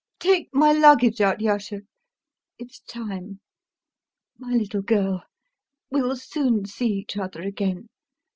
Take my luggage out, Yasha. It's time. [To ANYA] My little girl, we'll soon see each other again....